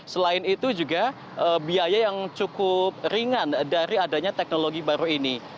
selain itu juga biaya yang cukup ringan dari adanya teknologi baru ini